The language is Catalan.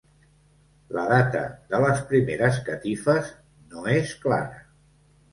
La data de les primeres catifes no és clara.